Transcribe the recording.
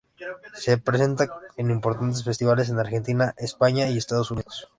Se presenta en importantes festivales en Argentina, España y Estados Unidos.